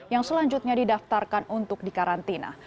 yang selanjutnya didaftarkan untuk dikarantina